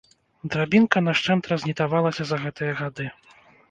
Драбінка нашчэнт разнітавалася за гэтыя гады.